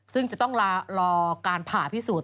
ซึ่งจะต้องรอการผ่าพิสูจน